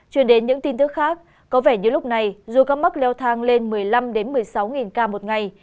truyền đến những tin tức khác có vẻ như lúc này dù các mắc leo thang lên một mươi năm một mươi sáu ca một ngày